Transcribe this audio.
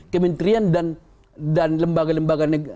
kementerian dan lembaga lembaga